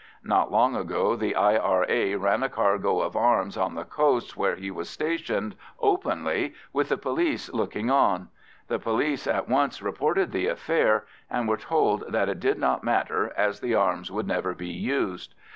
Not long ago the I.R.A. ran a cargo of arms on the coast where he was stationed, openly, with the police looking on. The police at once reported the affair, and were told that it did not matter as the arms would never be used.